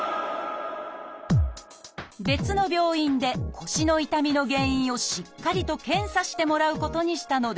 別の病院で腰の痛みの原因をしっかりと検査してもらうことにしたのです。